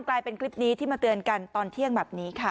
กลายเป็นคลิปนี้ที่มาเตือนกันตอนเที่ยงแบบนี้ค่ะ